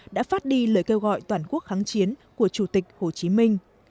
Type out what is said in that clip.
đã phát đi lời kêu gọi toàn quốc kháng chiến của chủ tịch hồ chí minh